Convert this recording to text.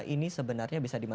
ini sebenarnya bisa dikawal